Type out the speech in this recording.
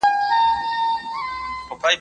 زه پرون نان وخوړل؟